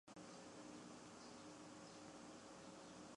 美国总统甘乃迪亦曾患此病。